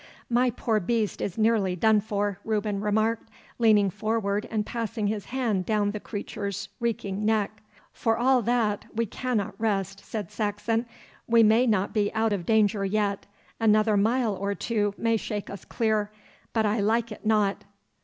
'My poor beast is nearly done for,' Reuben remarked, leaning forward and passing his hand down the creature's reeking neck. 'For all that we cannot rest,' said Saxon. 'We may not be out of danger yet. Another mile or two may shake us clear. But I like it not.